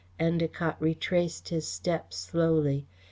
Endacott retraced his steps slowly.